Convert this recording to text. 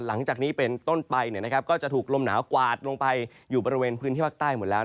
หลังจากนี้เป็นต้นไปก็จะถูกลมหนาวกวาดลงไปอยู่บริเวณพื้นที่ภาคใต้หมดแล้ว